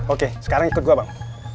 oke sekarang ikut dua bang